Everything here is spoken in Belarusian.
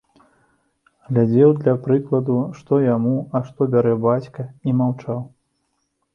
Глядзеў для прыкладу, што яму, а што бярэ бацька, і маўчаў.